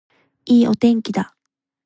いいお天気だ